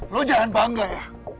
lo jangan bangga ya